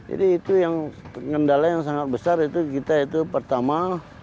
jadi itu yang kendala yang sangat besar itu kita itu pertama